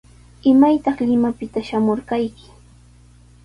¿Imaytaq Limapita shamurqayki?